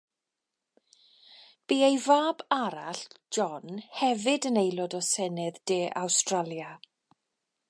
Bu ei fab arall, John, hefyd yn aelod o Senedd De Awstralia.